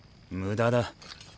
無駄だ。